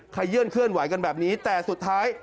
ยื่นเคลื่อนไหวกันแบบนี้แต่สุดท้าย